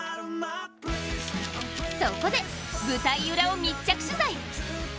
そこで舞台裏を密着取材。